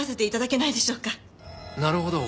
なるほど。